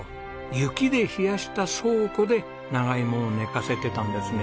雪で冷やした倉庫で長芋を寝かせてたんですね。